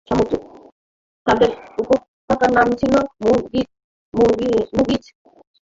তাদের উপত্যকার নাম ছিল মুগীছ।